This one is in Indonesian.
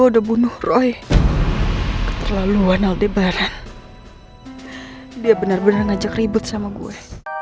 dia bener bener ngajak ribet sama gue